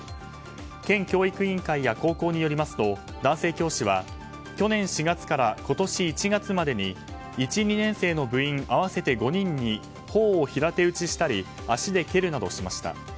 県教育委員会や高校によりますと男性教師は去年４月から今年１月までに１２年生の部員合わせて５人に頬を平手打ちしたり足で蹴るなどしました。